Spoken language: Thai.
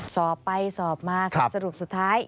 สอบไปสอบมาครับสรุปสุดท้าย